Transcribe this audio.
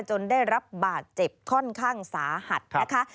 ได้รับบาดเจ็บค่อนข้างสาหัสนะคะ